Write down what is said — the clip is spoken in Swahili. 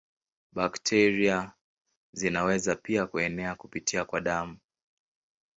Bakteria zinaweza pia kuenea kupitia kwa damu.